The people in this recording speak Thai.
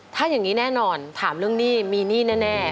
ถ้าอย่างนี้แน่นอนถามเรื่องหนี้มีหนี้แน่